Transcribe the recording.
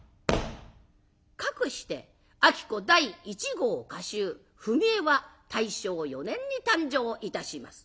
かくして子第一号歌集「踏絵」は大正４年に誕生いたします。